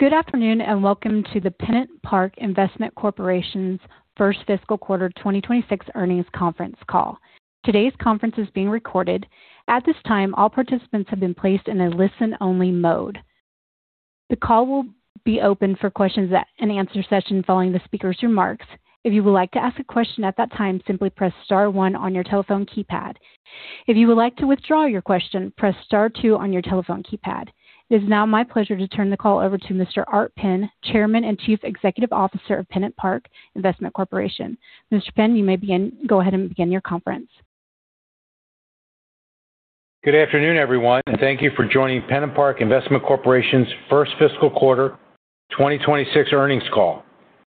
Good afternoon and welcome to the PennantPark Investment Corporation's first fiscal quarter 2026 earnings conference call. Today's conference is being recorded. At this time, all participants have been placed in a listen-only mode. The call will be open for questions and answer session following the speaker's remarks. If you would like to ask a question at that time, simply press star one on your telephone keypad. If you would like to withdraw your question, press star two on your telephone keypad. It is now my pleasure to turn the call over to Mr. Art Penn, Chairman and Chief Executive Officer of PennantPark Investment Corporation. Mr. Penn, you may go ahead and begin your conference. Good afternoon, everyone, and thank you for joining PennantPark Investment Corporation's first fiscal quarter 2026 earnings call.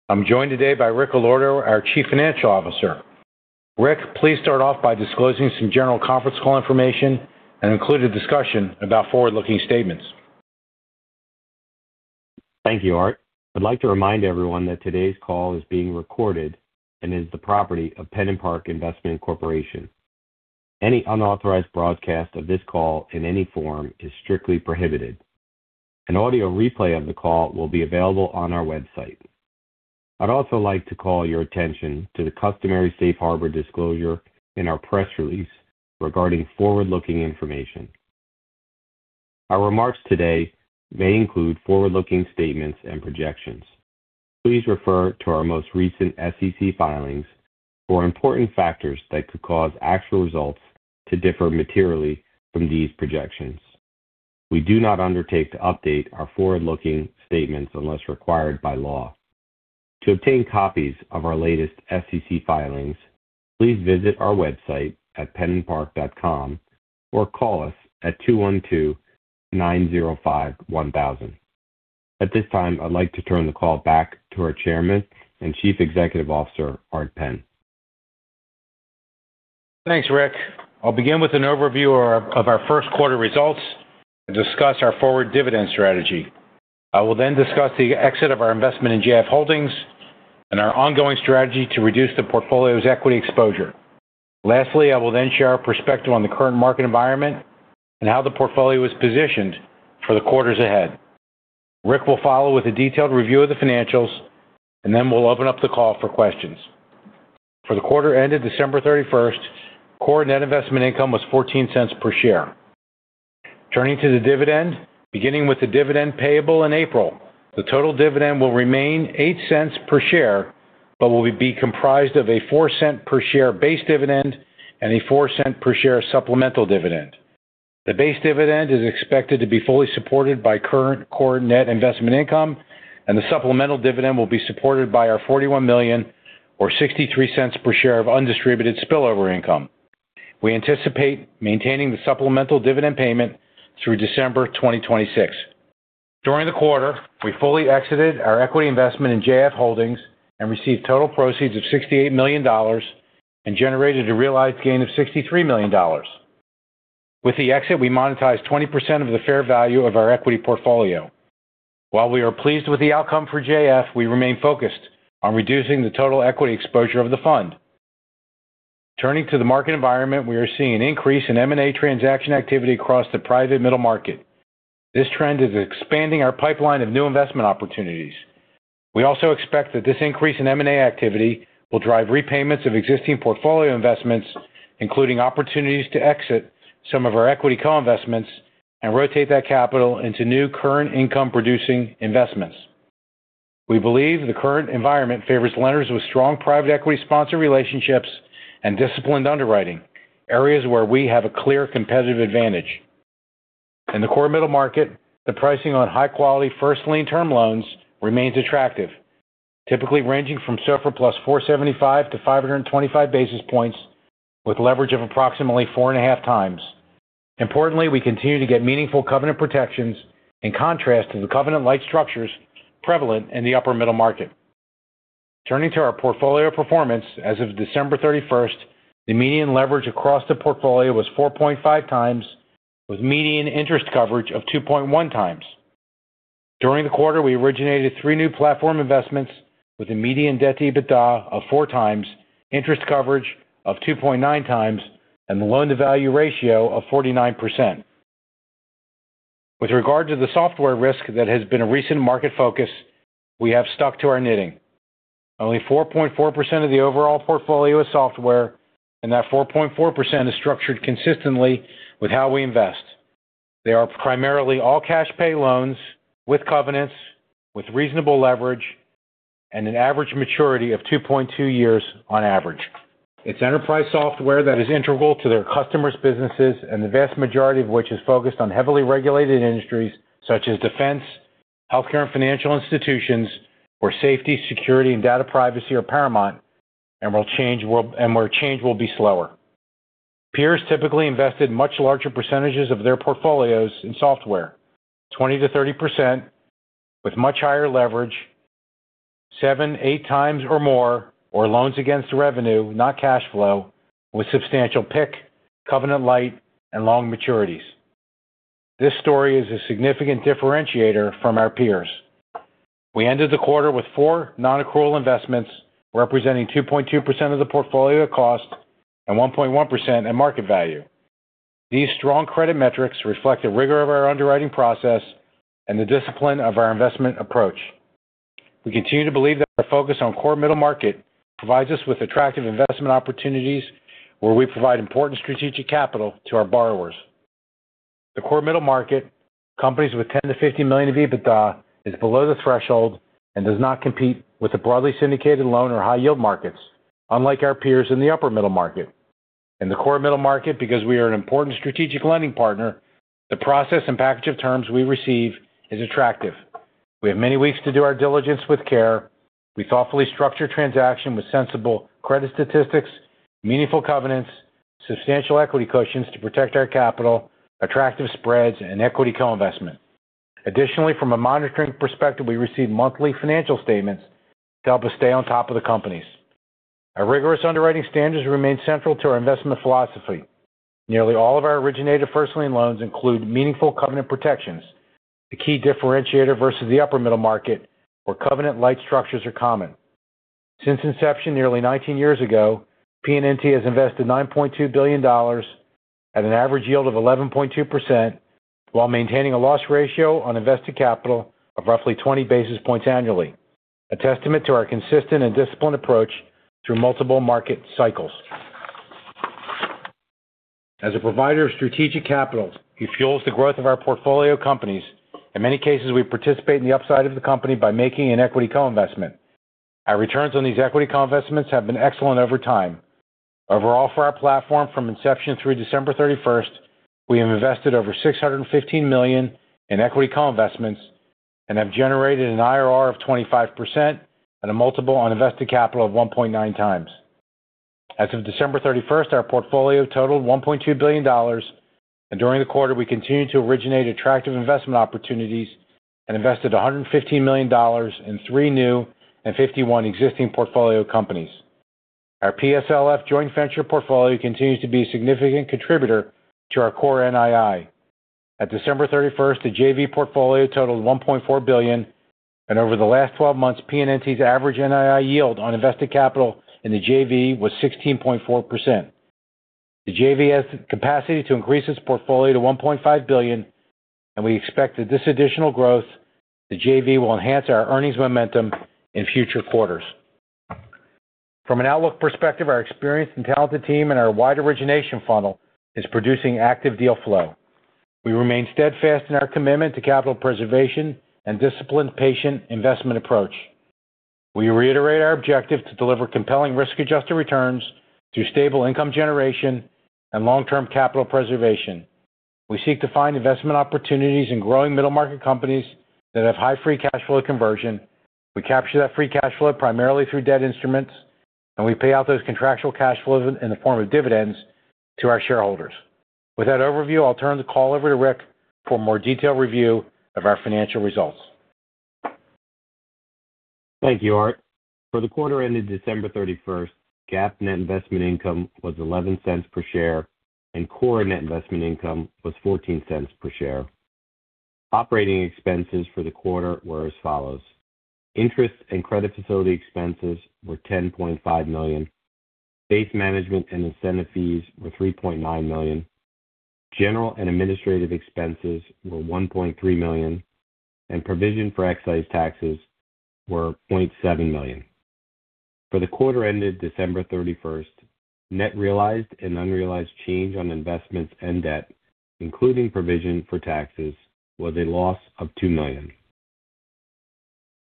I'm joined today by Rick Allorto, our Chief Financial Officer. Rick, please start off by disclosing some general conference call information and include a discussion about forward-looking statements. Thank you, Art. I'd like to remind everyone that today's call is being recorded and is the property of PennantPark Investment Corporation. Any unauthorized broadcast of this call in any form is strictly prohibited. An audio replay of the call will be available on our website. I'd also like to call your attention to the customary safe harbor disclosure in our press release regarding forward-looking information. Our remarks today may include forward-looking statements and projections. Please refer to our most recent SEC filings for important factors that could cause actual results to differ materially from these projections. We do not undertake to update our forward-looking statements unless required by law. To obtain copies of our latest SEC filings, please visit our website at pennantpark.com or call us at 212-905-1000. At this time, I'd like to turn the call back to our Chairman and Chief Executive Officer Art Penn. Thanks, Rick. I'll begin with an overview of our first quarter results and discuss our forward dividend strategy. I will then discuss the exit of our investment in JF Holdings and our ongoing strategy to reduce the portfolio's equity exposure. Lastly, I will then share our perspective on the current market environment and how the portfolio is positioned for the quarters ahead. Rick will follow with a detailed review of the financials, and then we'll open up the call for questions. For the quarter ended December 31st, core net investment income was $0.14 per share. Turning to the dividend, beginning with the dividend payable in April, the total dividend will remain $0.08 per share but will be comprised of a $0.04 per share base dividend and a $0.04 per share supplemental dividend. The base dividend is expected to be fully supported by current Core Net Investment Income, and the supplemental dividend will be supported by our $41 million or $0.63 per share of undistributed spillover income. We anticipate maintaining the supplemental dividend payment through December 2026. During the quarter, we fully exited our equity investment in JF Holdings and received total proceeds of $68 million and generated a realized gain of $63 million. With the exit, we monetized 20% of the fair value of our equity portfolio. While we are pleased with the outcome for JF, we remain focused on reducing the total equity exposure of the fund. Turning to the market environment, we are seeing an increase in M&A transaction activity across the private middle market. This trend is expanding our pipeline of new investment opportunities. We also expect that this increase in M&A activity will drive repayments of existing portfolio investments, including opportunities to exit some of our equity co-investments and rotate that capital into new current income-producing investments. We believe the current environment favors lenders with strong private equity sponsor relationships and disciplined underwriting, areas where we have a clear competitive advantage. In the core middle market, the pricing on high-quality first-lien term loans remains attractive, typically ranging from SOFR plus 475-525 basis points with leverage of approximately 4.5x. Importantly, we continue to get meaningful covenant protections in contrast to the covenant-lite structures prevalent in the upper middle market. Turning to our portfolio performance as of December 31st, the median leverage across the portfolio was 4.5x with median interest coverage of 2.1x. During the quarter, we originated three new platform investments with a median debt-to-EBITDA of 4x, interest coverage of 2.9x, and the loan-to-value ratio of 49%. With regard to the software risk that has been a recent market focus, we have stuck to our knitting. Only 4.4% of the overall portfolio is software, and that 4.4% is structured consistently with how we invest. They are primarily all cash-pay loans with covenants, with reasonable leverage, and an average maturity of 2.2 years on average. It's enterprise software that is integral to their customers' businesses, and the vast majority of which is focused on heavily regulated industries such as defense, healthcare and financial institutions, where safety, security, and data privacy are paramount, and where change will be slower. Peers typically invested much larger percentages of their portfolios in software, 20%-30% with much higher leverage, 7-8x or more or loans against revenue, not cash flow, with substantial PIK, covenant-lite, and long maturities. This story is a significant differentiator from our peers. We ended the quarter with four non-accrual investments representing 2.2% of the portfolio cost and 1.1% in market value. These strong credit metrics reflect the rigor of our underwriting process and the discipline of our investment approach. We continue to believe that our focus on core middle market provides us with attractive investment opportunities where we provide important strategic capital to our borrowers. The core middle market, companies with 10-50 million of EBITDA, is below the threshold and does not compete with the broadly syndicated loan or high-yield markets, unlike our peers in the upper middle market. In the core middle market, because we are an important strategic lending partner, the process and package of terms we receive is attractive. We have many weeks to do our diligence with care. We thoughtfully structure transaction with sensible credit statistics, meaningful covenants, substantial equity cushions to protect our capital, attractive spreads, and equity co-investment. Additionally, from a monitoring perspective, we receive monthly financial statements to help us stay on top of the companies. Our rigorous underwriting standards remain central to our investment philosophy. Nearly all of our originated first-lien loans include meaningful covenant protections, the key differentiator versus the upper middle market where covenant-lite structures are common. Since inception nearly 19 years ago, PNNT has invested $9.2 billion at an average yield of 11.2% while maintaining a loss ratio on invested capital of roughly 20 basis points annually, a testament to our consistent and disciplined approach through multiple market cycles. As a provider of strategic capital, it fuels the growth of our portfolio companies. In many cases, we participate in the upside of the company by making an equity co-investment. Our returns on these equity co-investments have been excellent over time. Overall, for our platform, from inception through December 31st, we have invested over $615 million in equity co-investments and have generated an IRR of 25% and a multiple on invested capital of 1.9x. As of December 31st, our portfolio totaled $1.2 billion, and during the quarter, we continued to originate attractive investment opportunities and invested $115 million in three new and 51 existing portfolio companies. Our PSLF joint venture portfolio continues to be a significant contributor to our core NII. At December 31st, the JV portfolio totaled $1.4 billion, and over the last 12 months, PNNT's average NII yield on invested capital in the JV was 16.4%. The JV has the capacity to increase its portfolio to $1.5 billion, and we expect that this additional growth, the JV, will enhance our earnings momentum in future quarters. From an outlook perspective, our experienced and talented team and our wide origination funnel is producing active deal flow. We remain steadfast in our commitment to capital preservation and disciplined, patient investment approach. We reiterate our objective to deliver compelling risk-adjusted returns through stable income generation and long-term capital preservation. We seek to find investment opportunities in growing middle market companies that have high free cash flow to conversion. We capture that free cash flow primarily through debt instruments, and we pay out those contractual cash flows in the form of dividends to our shareholders. With that overview, I'll turn the call over to Rick for a more detailed review of our financial results. Thank you, Art. For the quarter ended December 31st, GAAP net investment income was $0.11 per share, and core net investment income was $0.14 per share. Operating expenses for the quarter were as follows: interest and credit facility expenses were $10.5 million, base management and incentive fees were $3.9 million, general and administrative expenses were $1.3 million, and provision for excise taxes were $0.7 million. For the quarter ended December 31st, net realized and unrealized change on investments and debt, including provision for taxes, was a loss of $2 million.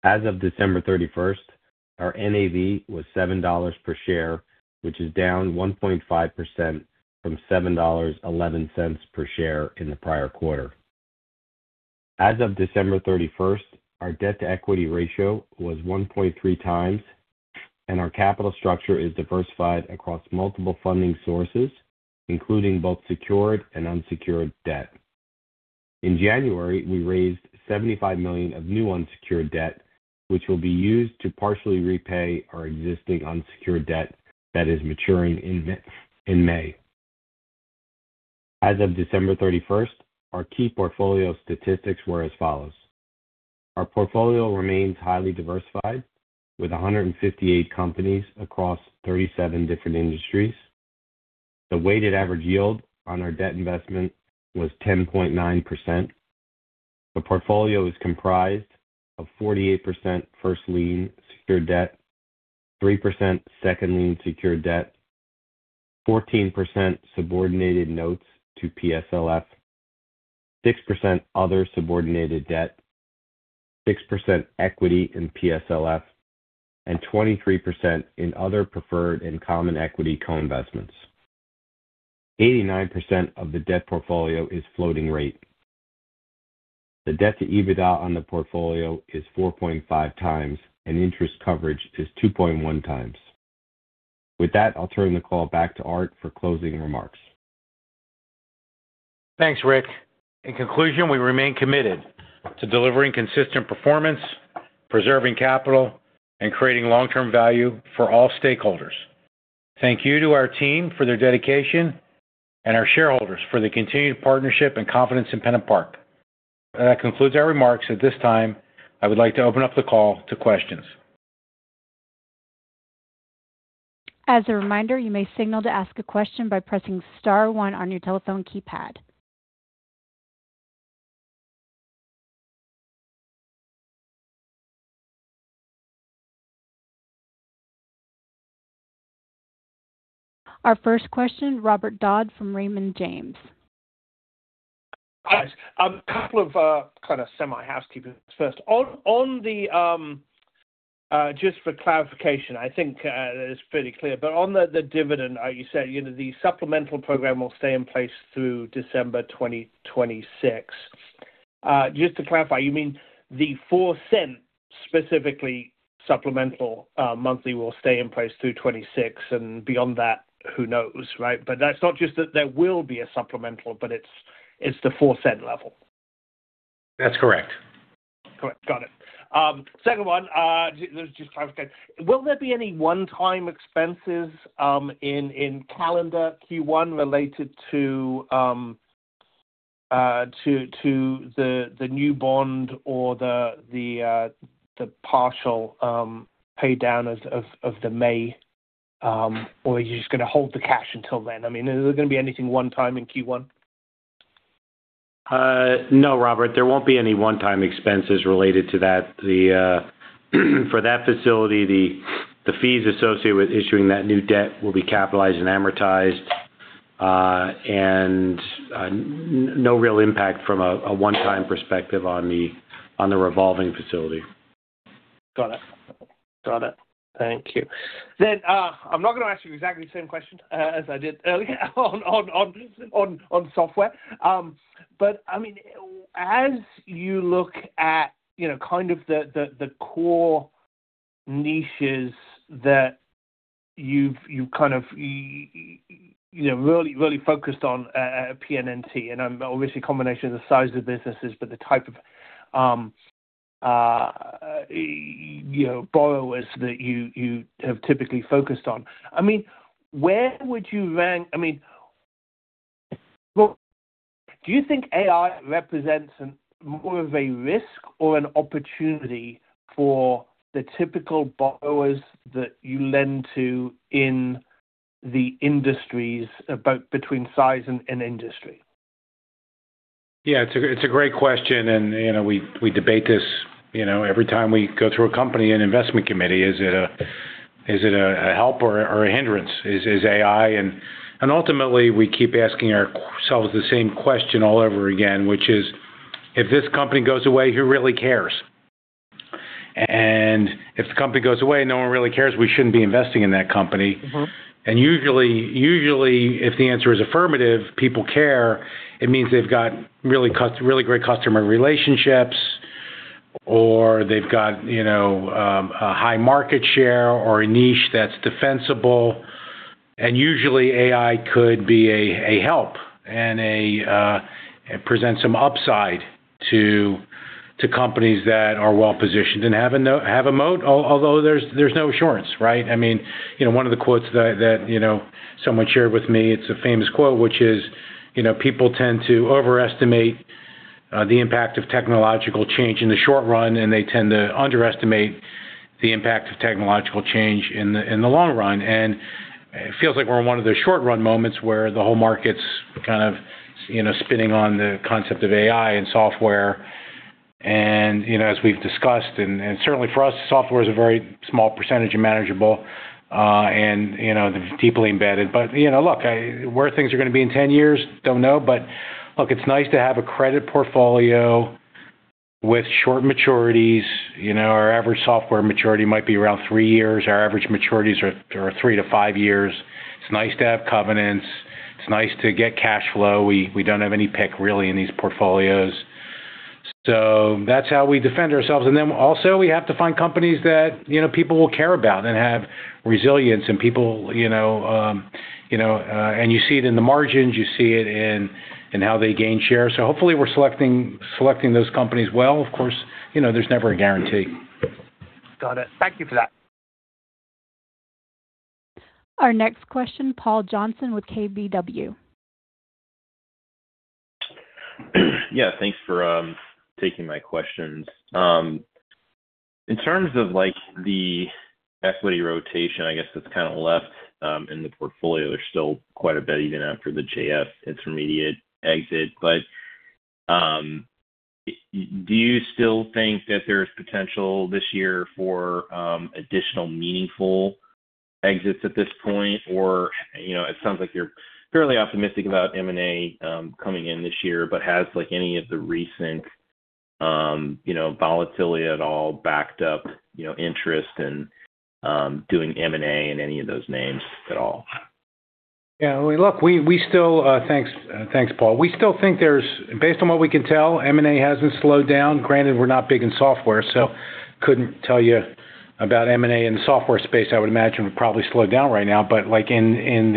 As of December 31st, our NAV was $7 per share, which is down 1.5% from $7.11 per share in the prior quarter. As of December 31st, our debt-to-equity ratio was 1.3x, and our capital structure is diversified across multiple funding sources, including both secured and unsecured debt. In January, we raised $75 million of new unsecured debt, which will be used to partially repay our existing unsecured debt that is maturing in May. As of December 31st, our key portfolio statistics were as follows: our portfolio remains highly diversified with 158 companies across 37 different industries. The weighted average yield on our debt investment was 10.9%. The portfolio is comprised of 48% first-lien secured debt, 3% second-lien secured debt, 14% subordinated notes to PSLF, 6% other subordinated debt, 6% equity in PSLF, and 23% in other preferred and common equity co-investments. 89% of the debt portfolio is floating rate. The debt-to-EBITDA on the portfolio is 4.5x, and interest coverage is 2.1x. With that, I'll turn the call back to Art for closing remarks. Thanks, Rick. In conclusion, we remain committed to delivering consistent performance, preserving capital, and creating long-term value for all stakeholders. Thank you to our team for their dedication and our shareholders for the continued partnership and confidence in PennantPark. That concludes our remarks. At this time, I would like to open up the call to questions. As a reminder, you may signal to ask a question by pressing star one on your telephone keypad. Our first question, Robert Dodd from Raymond James. A couple of kind of semi-housekeeping first. On that, just for clarification, I think that is fairly clear. But on the dividend, like you said, the supplemental program will stay in place through December 2026. Just to clarify, you mean the $0.04 specifically supplemental monthly will stay in place through 2026, and beyond that, who knows, right? But that's not just that there will be a supplemental, but it's the $0.04 level. That's correct. Correct. Got it. Second one, just clarifying, will there be any one-time expenses in calendar Q1 related to the new bond or the partial paydown of the May, or are you just going to hold the cash until then? I mean, is there going to be anything one-time in Q1? No, Robert. There won't be any one-time expenses related to that. For that facility, the fees associated with issuing that new debt will be capitalized and amortized, and no real impact from a one-time perspective on the revolving facility. Got it. Got it. Thank you. Then I'm not going to ask you exactly the same question as I did earlier on software. But I mean, as you look at kind of the core niches that you've kind of really focused on at PNNT, and obviously a combination of the size of businesses but the type of borrowers that you have typically focused on, I mean, where would you rank I mean, do you think AI represents more of a risk or an opportunity for the typical borrowers that you lend to in the industries between size and industry? Yeah, it's a great question, and we debate this every time we go through a company and investment committee. Is it a help or a hindrance? Is AI, and ultimately, we keep asking ourselves the same question all over again, which is, "If this company goes away, who really cares?" And if the company goes away and no one really cares, we shouldn't be investing in that company. And usually, if the answer is affirmative, people care, it means they've got really great customer relationships or they've got a high market share or a niche that's defensible. And usually, AI could be a help and present some upside to companies that are well-positioned and have a moat, although there's no assurance, right? I mean, one of the quotes that someone shared with me, it's a famous quote, which is, "People tend to overestimate the impact of technological change in the short run, and they tend to underestimate the impact of technological change in the long run." And it feels like we're in one of those short-run moments where the whole market's kind of spinning on the concept of AI and software. And as we've discussed, and certainly for us, software is a very small percentage of manageable and deeply embedded. But look, where things are going to be in 10 years, don't know. But look, it's nice to have a credit portfolio with short maturities. Our average software maturity might be around three years. Our average maturities are three to five years. It's nice to have covenants. It's nice to get cash flow. We don't have any PIK, really, in these portfolios. So that's how we defend ourselves. And then also, we have to find companies that people will care about and have resilience. And you see it in the margins. You see it in how they gain share. So hopefully, we're selecting those companies well. Of course, there's never a guarantee. Got it. Thank you for that. Our next question, Paul Johnson with KBW. Yeah. Thanks for taking my questions. In terms of the equity rotation, I guess that's kind of left in the portfolio. There's still quite a bit even after the JF Intermediate exit. But do you still think that there's potential this year for additional meaningful exits at this point? Or it sounds like you're fairly optimistic about M&A coming in this year, but has any of the recent volatility at all backed up interest in doing M&A and any of those names at all? Yeah. I mean, look, we still—thanks, Paul. We still think there's, based on what we can tell, M&A hasn't slowed down. Granted, we're not big in software, so couldn't tell you about M&A in the software space. I would imagine we're probably slowed down right now. But in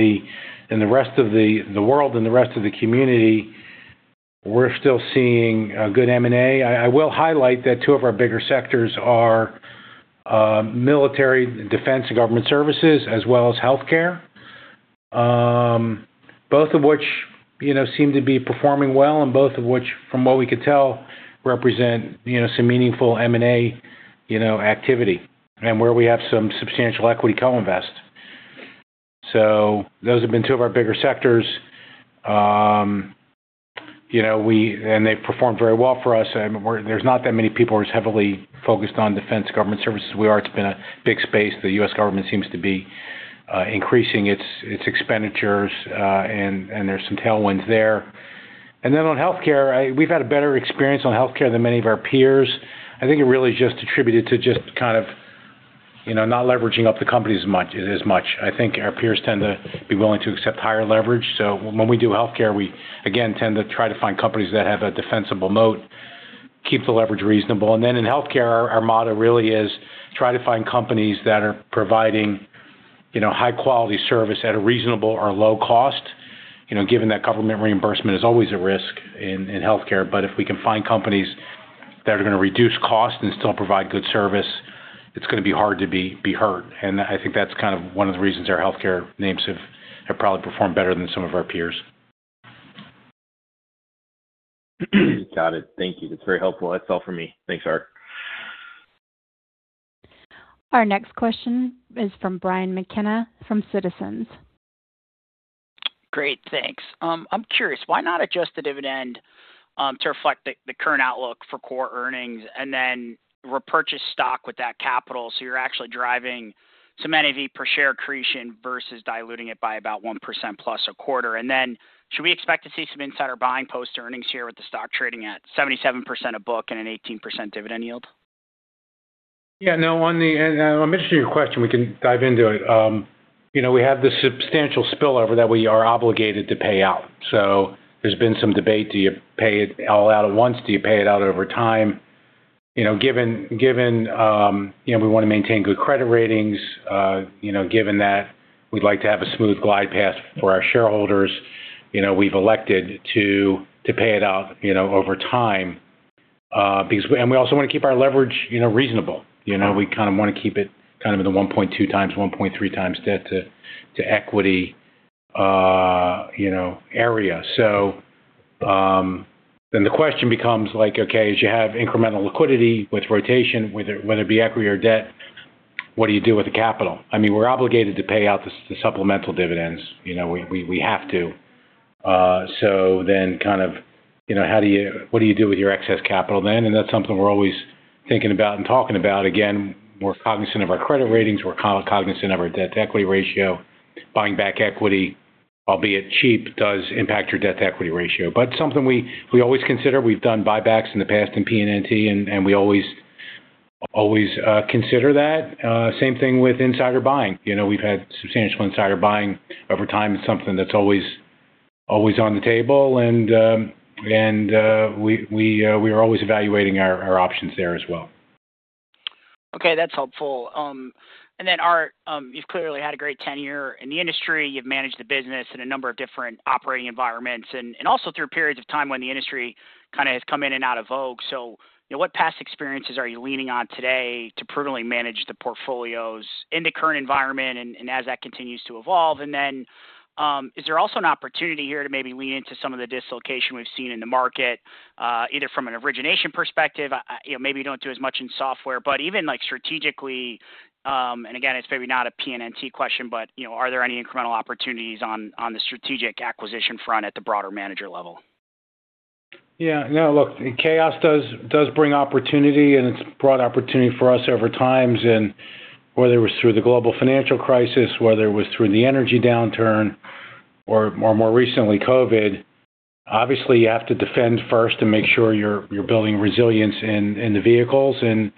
the rest of the world and the rest of the community, we're still seeing good M&A. I will highlight that two of our bigger sectors are military, defense, and government services, as well as healthcare, both of which seem to be performing well and both of which, from what we could tell, represent some meaningful M&A activity and where we have some substantial equity co-invest. So those have been two of our bigger sectors, and they've performed very well for us. There's not that many people who are heavily focused on defense, government services as we are. It's been a big space. The U.S. government seems to be increasing its expenditures, and there's some tailwinds there. And then on healthcare, we've had a better experience on healthcare than many of our peers. I think it really is just attributed to just kind of not leveraging up the companies as much. I think our peers tend to be willing to accept higher leverage. So when we do healthcare, we, again, tend to try to find companies that have a defensible moat, keep the leverage reasonable. And then in healthcare, our motto really is try to find companies that are providing high-quality service at a reasonable or low cost, given that government reimbursement is always a risk in healthcare. But if we can find companies that are going to reduce cost and still provide good service, it's going to be hard to be hurt. I think that's kind of one of the reasons our healthcare names have probably performed better than some of our peers. Got it. Thank you. That's very helpful. That's all for me. Thanks, Art. Our next question is from Brian McKenna from Citizens. Great. Thanks. I'm curious, why not adjust the dividend to reflect the current outlook for core earnings and then repurchase stock with that capital so you're actually driving some NAV per share accretion versus diluting it by about 1% + 0.25%? And then should we expect to see some insider buying post-earnings here with the stock trading at 77% of book and an 18% dividend yield? Yeah. No. I'm interested in your question. We can dive into it. We have the substantial spillover that we are obligated to pay out. So there's been some debate. Do you pay it all out at once? Do you pay it out over time? Given we want to maintain good credit ratings, given that we'd like to have a smooth glide path for our shareholders, we've elected to pay it out over time. And we also want to keep our leverage reasonable. We kind of want to keep it kind of in the 1.2x, 1.3x debt-to-equity area. So then the question becomes, okay, as you have incremental liquidity with rotation, whether it be equity or debt, what do you do with the capital? I mean, we're obligated to pay out the supplemental dividends. We have to. So then kind of what do you do with your excess capital then? And that's something we're always thinking about and talking about. Again, we're cognizant of our credit ratings. We're cognizant of our debt-to-equity ratio. Buying back equity, albeit cheap, does impact your debt-to-equity ratio. But something we always consider. We've done buybacks in the past in PNNT, and we always consider that. Same thing with insider buying. We've had substantial insider buying over time. It's something that's always on the table, and we are always evaluating our options there as well. Okay. That's helpful. And then, Art, you've clearly had a great 10-year in the industry. You've managed the business in a number of different operating environments and also through periods of time when the industry kind of has come in and out of vogue. So what past experiences are you leaning on today to prudently manage the portfolios in the current environment and as that continues to evolve? And then is there also an opportunity here to maybe lean into some of the dislocation we've seen in the market, either from an origination perspective? Maybe you don't do as much in software, but even strategically and again, it's maybe not a PNNT question, but are there any incremental opportunities on the strategic acquisition front at the broader manager level? Yeah. No. Look, chaos does bring opportunity, and it's brought opportunity for us over times, whether it was through the global financial crisis, whether it was through the energy downturn, or more recently, COVID. Obviously, you have to defend first and make sure you're building resilience in the vehicles. And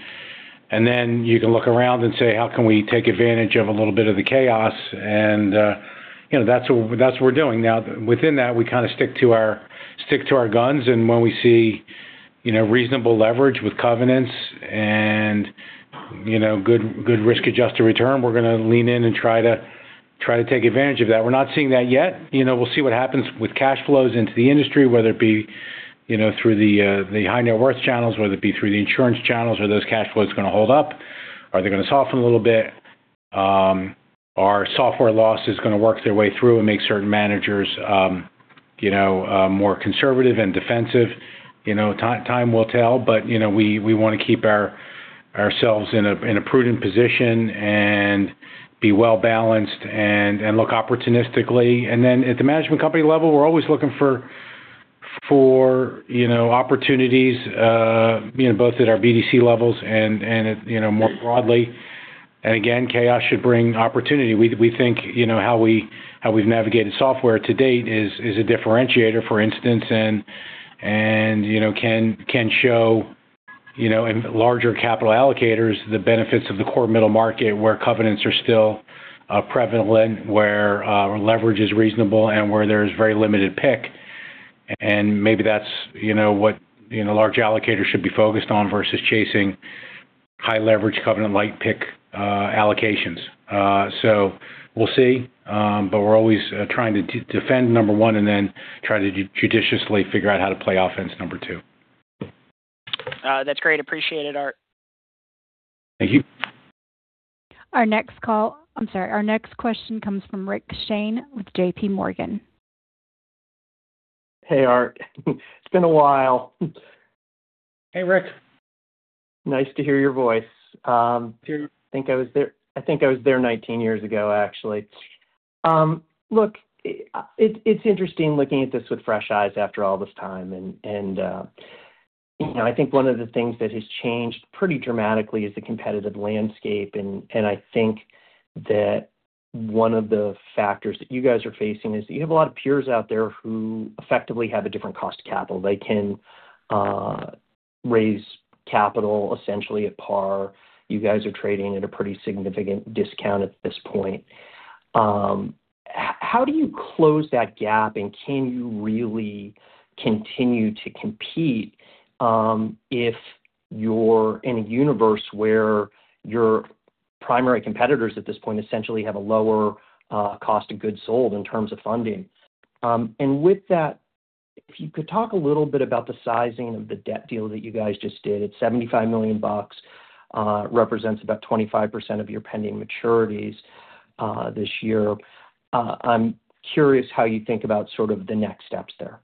then you can look around and say, "How can we take advantage of a little bit of the chaos?" And that's what we're doing. Now, within that, we kind of stick to our guns. And when we see reasonable leverage with covenants and good risk-adjusted return, we're going to lean in and try to take advantage of that. We're not seeing that yet. We'll see what happens with cash flows into the industry, whether it be through the high net worth channels, whether it be through the insurance channels. Are those cash flows going to hold up? Are they going to soften a little bit? Are softer losses going to work their way through and make certain managers more conservative and defensive? Time will tell. But we want to keep ourselves in a prudent position and be well-balanced and look opportunistically. And then at the management company level, we're always looking for opportunities, both at our BDC levels and more broadly. And again, chaos should bring opportunity. We think how we've navigated so far to date is a differentiator, for instance, and can show larger capital allocators the benefits of the core middle market where covenants are still prevalent, where leverage is reasonable, and where there's very limited PIK. And maybe that's what large allocators should be focused on versus chasing high-leverage, covenant-lit PIK allocations. So we'll see. But we're always trying to defend, number one, and then try to judiciously figure out how to play offense, number two. That's great. Appreciate it, Art. Thank you. Our next question comes from Rick Shane with JPMorgan. Hey, Art. It's been a while. Hey, Rick. Nice to hear your voice. I think I was there 19 years ago, actually. Look, it's interesting looking at this with fresh eyes after all this time. I think one of the things that has changed pretty dramatically is the competitive landscape. I think that one of the factors that you guys are facing is that you have a lot of peers out there who effectively have a different cost of capital. They can raise capital, essentially, at par. You guys are trading at a pretty significant discount at this point. How do you close that gap, and can you really continue to compete in a universe where your primary competitors at this point essentially have a lower cost of goods sold in terms of funding? With that, if you could talk a little bit about the sizing of the debt deal that you guys just did. It's $75 million. It represents about 25% of your pending maturities this year. I'm curious how you think about sort of the next steps there.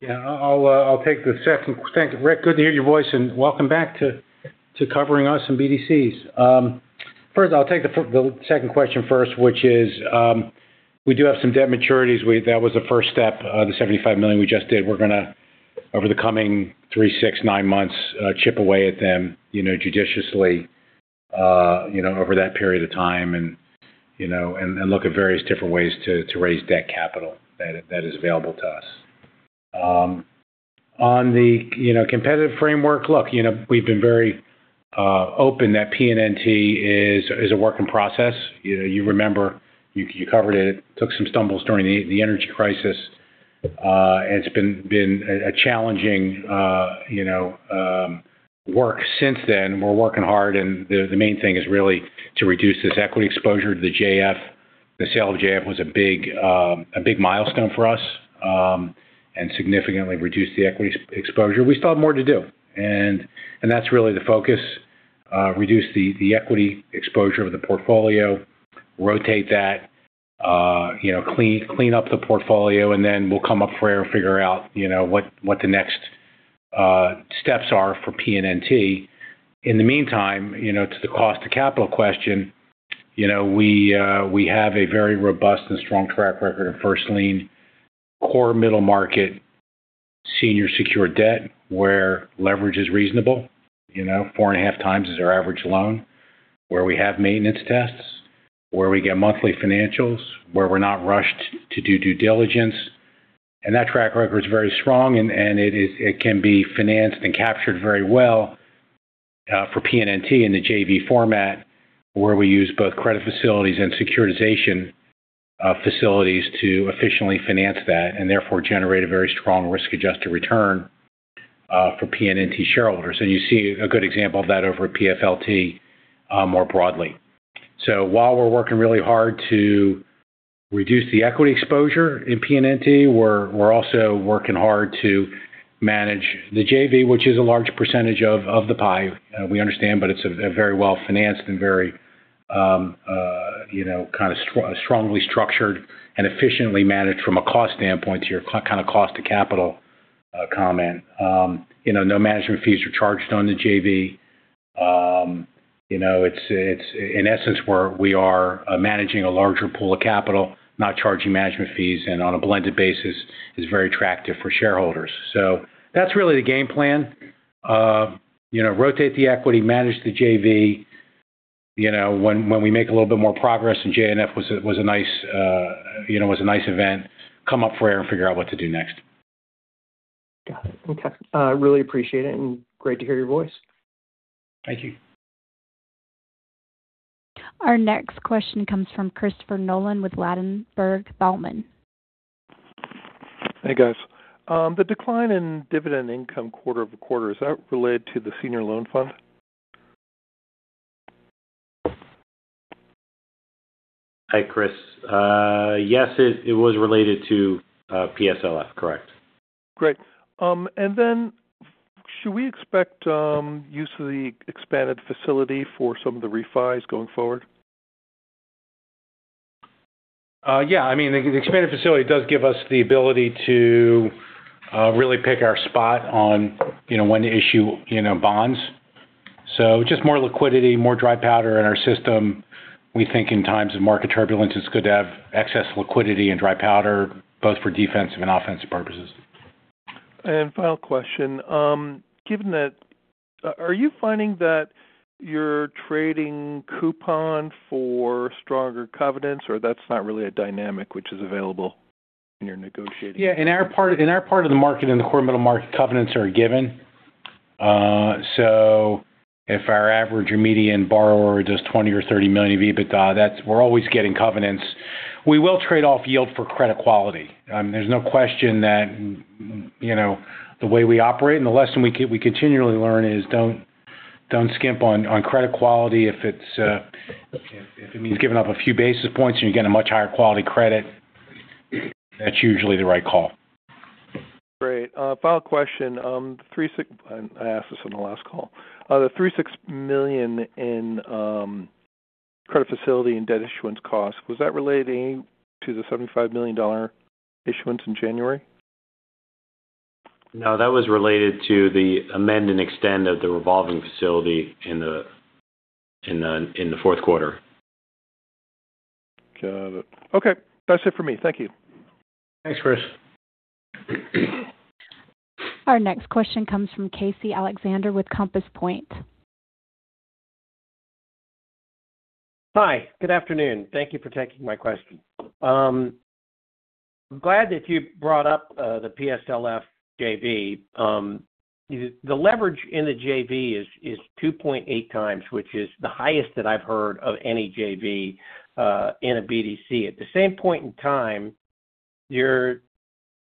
Yeah. I'll take the second thank you, Rick. Good to hear your voice, and welcome back to covering us and BDCs. First, I'll take the second question first, which is we do have some debt maturities. That was the first step, the $75 million we just did. We're going to, over the coming three, six, nine months, chip away at them judiciously over that period of time and look at various different ways to raise debt capital that is available to us. On the competitive framework, look, we've been very open that PNNT is a working process. You remember, you covered it. It took some stumbles during the energy crisis, and it's been a challenging work since then. We're working hard, and the main thing is really to reduce this equity exposure to the JF. The sale of JF was a big milestone for us and significantly reduced the equity exposure. We still have more to do, and that's really the focus: reduce the equity exposure of the portfolio, rotate that, clean up the portfolio, and then we'll come up for air and figure out what the next steps are for PNNT. In the meantime, to the cost of capital question, we have a very robust and strong track record of first-lien, core middle-market, senior-secured debt where leverage is reasonable, 4.5x as our average loan, where we have maintenance tests, where we get monthly financials, where we're not rushed to do due diligence. That track record is very strong, and it can be financed and captured very well for PNNT in the JV format, where we use both credit facilities and securitization facilities to efficiently finance that and therefore generate a very strong risk-adjusted return for PNNT shareholders. You see a good example of that over at PFLT more broadly. While we're working really hard to reduce the equity exposure in PNNT, we're also working hard to manage the JV, which is a large percentage of the pie. We understand, but it's very well-financed and very kind of strongly structured and efficiently managed from a cost standpoint to your kind of cost of capital comment. No management fees are charged on the JV. It's, in essence, where we are managing a larger pool of capital, not charging management fees, and on a blended basis is very attractive for shareholders. So that's really the game plan: rotate the equity, manage the JV. When we make a little bit more progress and JF was a nice event, come up for air and figure out what to do next. Got it. Fantastic. Really appreciate it, and great to hear your voice. Thank you. Our next question comes from Christopher Nolan with Ladenburg Thalmann. Hey, guys. The decline in dividend income quarter-over-quarter, is that related to the senior loan fund? Hi, Chris. Yes, it was related to PSLF, correct? Great. And then should we expect use of the expanded facility for some of the refis going forward? Yeah. I mean, the expanded facility does give us the ability to really pick our spot on when to issue bonds. Just more liquidity, more dry powder in our system. We think in times of market turbulence, it's good to have excess liquidity and dry powder, both for defensive and offensive purposes. Final question. Are you finding that you're trading coupon for stronger covenants, or that's not really a dynamic which is available in your negotiating? Yeah. In our part of the market and the core middle market, covenants are a given. So if our average or median borrower does $20 million-$30 million EBITDA, we're always getting covenants. We will trade off yield for credit quality. There's no question that the way we operate and the lesson we continually learn is don't skimp on credit quality. If it means giving up a few basis points and you're getting a much higher quality credit, that's usually the right call. Great. Final question. I asked this on the last call. The $36 million in credit facility and debt issuance cost, was that related to the $75 million issuance in January? No. That was related to the amend and extend of the revolving facility in the fourth quarter. Got it. Okay. That's it for me. Thank you. Thanks, Chris. Our next question comes from Casey Alexander with Compass Point. Hi. Good afternoon. Thank you for taking my question. I'm glad that you brought up the PSLF JV. The leverage in the JV is 2.8x, which is the highest that I've heard of any JV in a BDC. At the same point in time,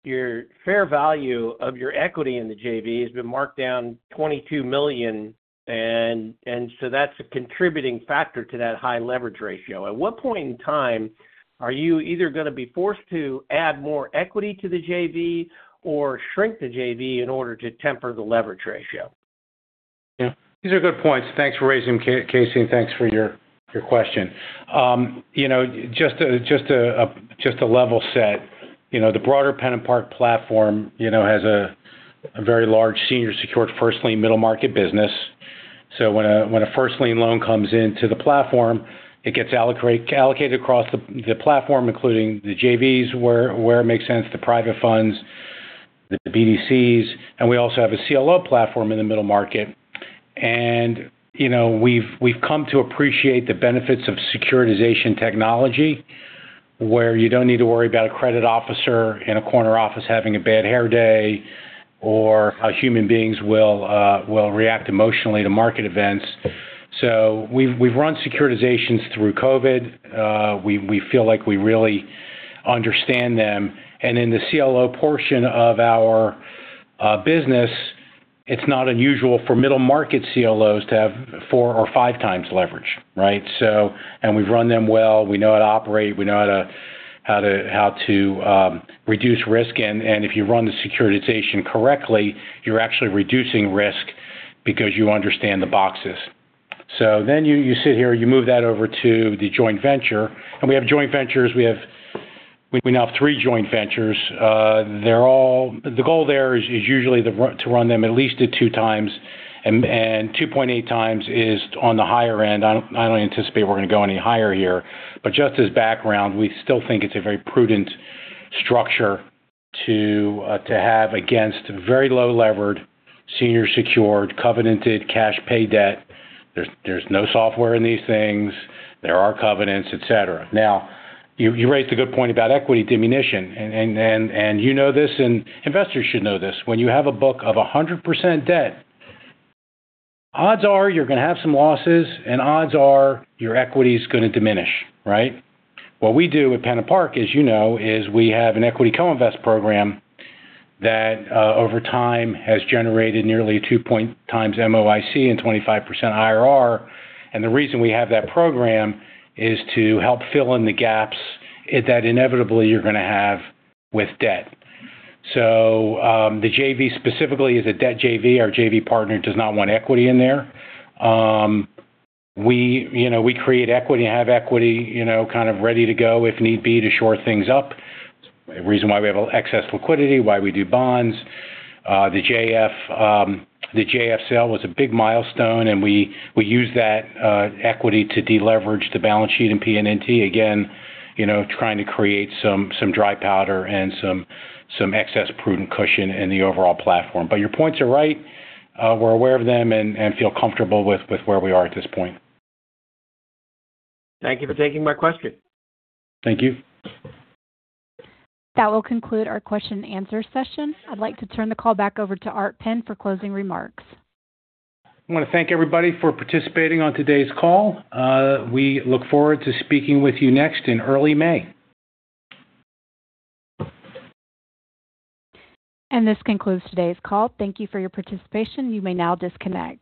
your fair value of your equity in the JV has been marked down $22 million, and so that's a contributing factor to that high leverage ratio. At what point in time are you either going to be forced to add more equity to the JV or shrink the JV in order to temper the leverage ratio? Yeah. These are good points. Thanks for raising them, Casey, and thanks for your question. Just to level set, the broader PennantPark platform has a very large senior-secured, first-lien, middle market business. So when a first-lien loan comes into the platform, it gets allocated across the platform, including the JVs where it makes sense, the private funds, the BDCs. And we also have a CLO platform in the middle market. And we've come to appreciate the benefits of securitization technology, where you don't need to worry about a credit officer in a corner office having a bad hair day or how human beings will react emotionally to market events. So we've run securitizations through COVID. We feel like we really understand them. And in the CLO portion of our business, it's not unusual for middle market CLOs to have 4x or 5x leverage, right? And we've run them well. We know how to operate. We know how to reduce risk. And if you run the securitization correctly, you're actually reducing risk because you understand the boxes. So then you sit here. You move that over to the joint venture. And we have joint ventures. We now have three joint ventures. The goal there is usually to run them at least at 2x. And 2.8x is on the higher end. I don't anticipate we're going to go any higher here. But just as background, we still think it's a very prudent structure to have against very low-levered, senior-secured, covenanted, cash-pay debt. There's no software in these things. There are covenants, etc. Now, you raised a good point about equity diminution. And you know this, and investors should know this. When you have a book of 100% debt, odds are you're going to have some losses, and odds are your equity's going to diminish, right? What we do at PennantPark, as you know, is we have an equity co-invest program that, over time, has generated nearly 2x MOIC and 25% IRR. The reason we have that program is to help fill in the gaps that inevitably you're going to have with debt. The JV specifically is a debt JV. Our JV partner does not want equity in there. We create equity and have equity kind of ready to go if need be to shore things up. The reason why we have excess liquidity, why we do bonds. The JF sale was a big milestone, and we used that equity to deleverage the balance sheet in PNNT, again, trying to create some dry powder and some excess prudent cushion in the overall platform. But your points are right. We're aware of them and feel comfortable with where we are at this point. Thank you for taking my question. Thank you. That will conclude our question-and-answer session. I'd like to turn the call back over to Art Penn for closing remarks. I want to thank everybody for participating on today's call. We look forward to speaking with you next in early May. This concludes today's call. Thank you for your participation. You may now disconnect.